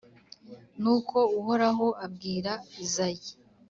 Nuko Uhoraho abwira Izayi